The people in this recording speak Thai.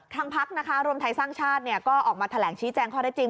ทางพรรคนะคะรวมไทยสร้างชาติเนี่ยก็ออกมาแถลงชี้แจ้งข้อได้จริง